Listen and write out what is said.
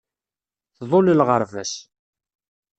Tḍul lɣerba-s.